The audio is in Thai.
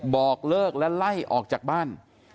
บอกเลิกและไล่ออกจากบ้าน